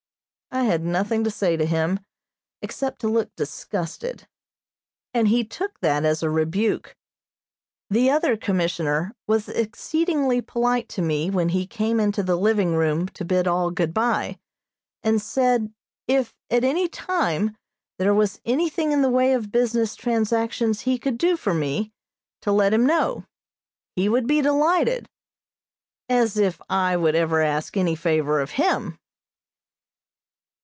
I had nothing to say to him, except to look disgusted, and he took that as a rebuke. The other Commissioner was exceedingly polite to me when he came into the living room to bid all good bye, and said if, at any time, there was anything in the way of business transactions he could do for me, to let him know; he would be delighted as if I would ever ask any favor of him!